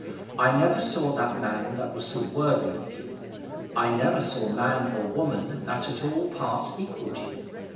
I never saw that man that was worthy of you. I never saw man or woman that at all parts equalled you.